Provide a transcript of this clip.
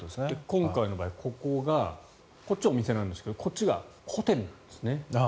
今回の場合こっちがお店なんですけどこっちがホテルなんですね。